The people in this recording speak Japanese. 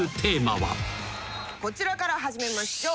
こちらから始めましょう。